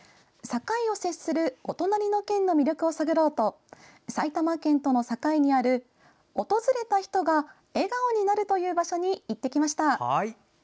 境を接するお隣の県の魅力を探ろうと埼玉県との境にある訪れた人が笑顔になるという場所に行ってきました。